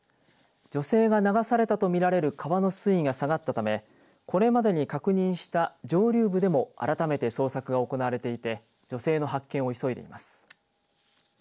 女性が流されたと見られる川の水位が下がったためこれまでに確認した上流部でも改めて捜索が行われていて女性の発見を急いでいます。